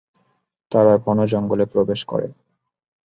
তারা ঘন জঙ্গলে প্রবেশ করে।